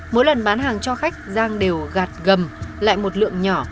mỗi lần bán hàng cho khách giang đều gạt gầm lại một lượng nhỏ